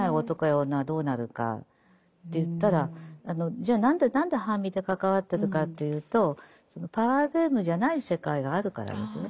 じゃあ何で半身で関わってるかというとパワーゲームじゃない世界があるからですよね。